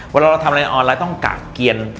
เวลาเราทำอะไรออนไลน์ต้องกะเกียร